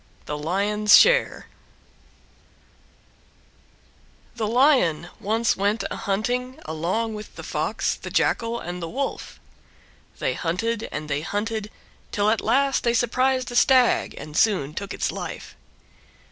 THE LION'S SHARE The Lion went once a hunting along with the Fox, the Jackal, and the Wolf. They hunted and they hunted till at last they surprised a Stag, and soon took its life.